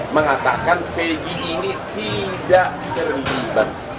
mengatakan pegi ini tidak terlibat